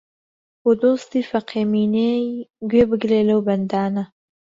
بۆ دۆستی فەقێ مینەی گوێ بگرێ لەو بەندانە